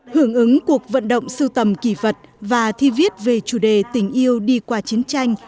hưởng ứng cuộc vận động sưu tầm kỳ vật và thi viết về chủ đề tình yêu đi qua chiến tranh